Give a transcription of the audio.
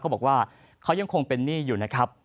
เขาบอกว่าเขายังคงเป็นหนี้อยู่นะครับ